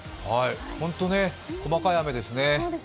ほんと細かい雨ですね。